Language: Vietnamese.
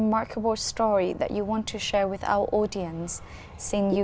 mà các bạn muốn chia sẻ với khán giả của chúng tôi